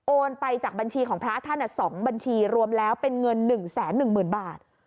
ไปจากบัญชีของพระท่าน๒บัญชีรวมแล้วเป็นเงิน๑๑๐๐๐บาท